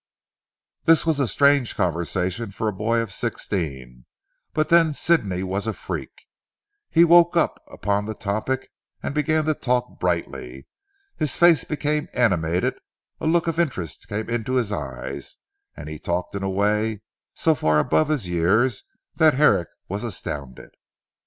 This was strange conversation for a boy of sixteen, but then Sidney was a freak. He woke up upon this topic, and began to talk brightly. His face became animated, a look of interest came into his eyes, and he talked in a way so far above his years that Herrick was astounded.